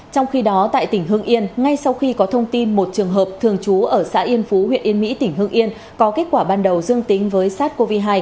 trong khi đó tại tỉnh hưng yên ngay sau khi có thông tin một trường hợp thường trú ở xã yên phú huyện yên mỹ tỉnh hương yên có kết quả ban đầu dương tính với sars cov hai